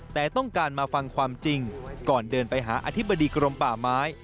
แต่ต้องการมาฟังความจริงก่อนเดินไปหาอธิบดีกรมป่าไม้